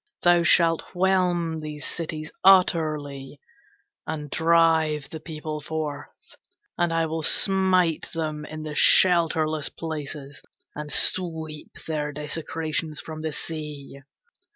Thou shalt whelm these cities utterly and drive the people forth, and I will smite them in the shelterless places and sweep their desecrations from the sea.